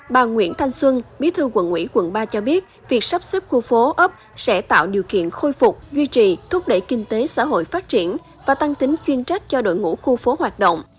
bà nguyễn thanh xuân bí thư quận ủy quận ba cho biết việc sắp xếp khu phố ấp sẽ tạo điều kiện khôi phục duy trì thúc đẩy kinh tế xã hội phát triển và tăng tính chuyên trách cho đội ngũ khu phố hoạt động